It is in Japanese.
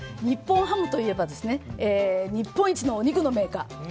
日本ハムといえば日本一のお肉のメーカー。